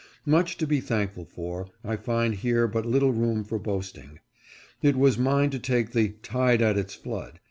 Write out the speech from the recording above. Much to be thankful for, I find here but little room for boast ing. It was mine to take the "Tide at its flood."